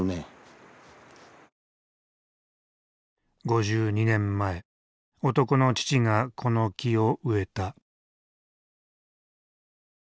５２年前男の父がこの木を植えた。